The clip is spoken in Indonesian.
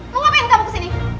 mau ngapain kamu kesini